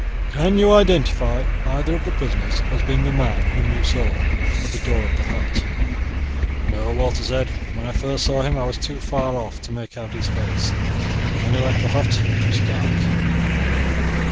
"Can you identify either of the prisoners as being the man whom you saw at the door of the hut?" "No," Walter said. "When I first saw him I was too far off to make out his face. When he left the hut it was dark."